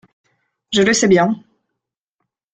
Je le sais bien.